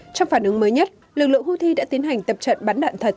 trong phản ứng mới nhất lực lượng houthi đã tiến hành tập trận bắn đạn thật